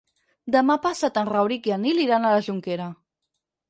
Demà passat en Rauric i en Nil iran a la Jonquera.